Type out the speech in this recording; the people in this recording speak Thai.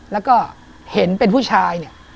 แล้วก็เห็นเป็นผู้ชายเนี่ย